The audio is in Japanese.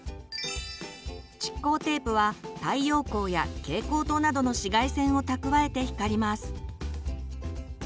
蓄光テープは太陽光や蛍光灯などの紫外線を蓄えて光ります。